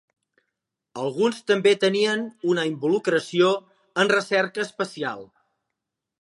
Alguns també tenien una involucració en recerca espacial.